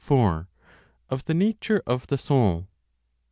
Of the Nature of the Soul.